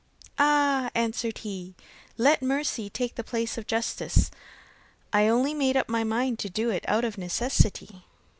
'Ah,' answered he, 'let mercy take the place of justice, I only made up my mind to do it out of necessity.